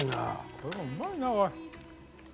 これもうまいなおい。